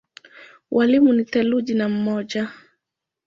Walimu ni thelathini na mmoja.